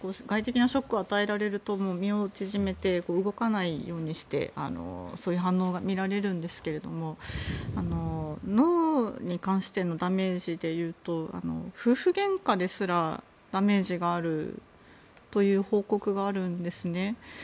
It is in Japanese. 外的なショックを与えられると身を縮めて動かないようにしてそういう反応が見られるんですけど脳に関してのダメージでいうと夫婦げんかですらダメージがあるという報告があるんですね。